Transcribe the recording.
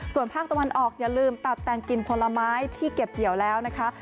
ส่วนภาคตะวันออกอย่าลืมตัดแต่งกลิ่นผลไม้ที่เก็บเกี่ยวแล้วนะคะ